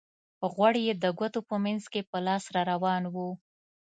غوړ یې د ګوتو په منځ کې په لاس را روان وو.